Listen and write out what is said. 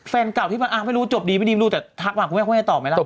แฟนเก่าที่มาไม่รู้จบดีไม่ดีไม่รู้แต่ทักมาคุณแม่คุณแม่ตอบไหมล่ะ